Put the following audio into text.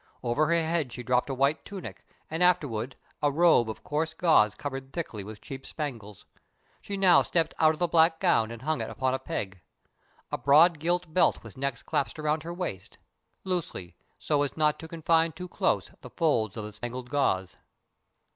Over her head she dropped a white tunic, and afterward a robe of coarse gauze covered thickly with cheap spangles. She now stepped out of the black gown and hung it upon a peg. A broad gilt belt was next clasped around her waist loosely, so as not to confine too close the folds of spangled gauze.